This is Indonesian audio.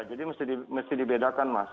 jadi mesti dibedakan mas